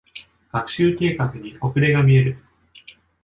学習計画に遅れが見える。